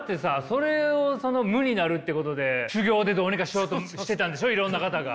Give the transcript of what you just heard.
それをその無になるってことで修行でどうにかしようとしてたんでしょいろんな方が。